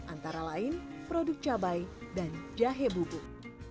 antara lain produk cabai dan jahe bubuk